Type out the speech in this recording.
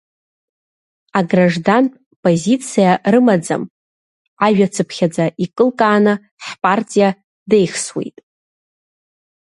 Аграждантә позициа рымаӡам, ажәацыԥхьаӡа икылкааны ҳпартиа деихсуеит.